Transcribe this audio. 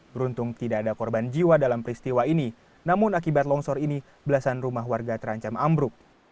beruntung tidak ada korban jiwa dalam peristiwa ini namun akibat longsor ini belasan rumah warga terancam ambruk